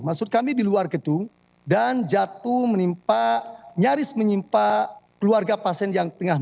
maksud kami di luar gedung dan jatuh menimpa nyaris menimpa keluarga pasien yang tengah